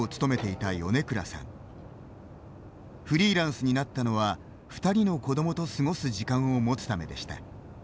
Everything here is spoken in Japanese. フリーランスになったのは２人の子どもと過ごす時間を持つためでした。